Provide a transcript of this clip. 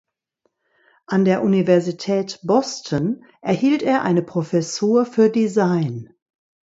An der Universität Boston erhielt er eine Professur für Design.